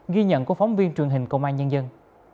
ghi nhận của phóng viên truyền hình công an nhân dân